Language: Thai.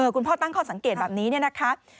คุณพ่อตั้งข้อสังเกตแบบนี้เนี่ยนะคะ